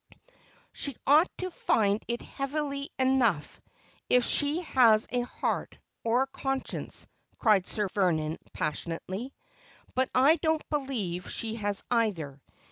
' She ought to find it heavy enough, if she has a heart or a conscience,' cried Sir Vernon passionately. 'But I don't believe she has either.